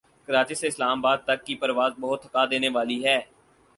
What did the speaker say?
کراچی سے اسلام آباد تک کی پرواز بہت تھکا دینے والی ہے